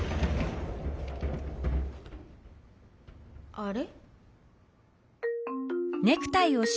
あれ？